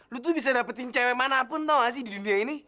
lo tuh bisa dapetin cewek mana pun tau ga sih di dunia ini